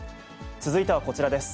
続いてはこちらです。